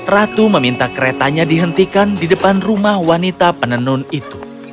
ratu meminta keretanya dihentikan di depan rumah wanita penenun itu